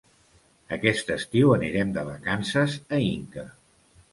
Aquest estiu anirem de vacances a Inca.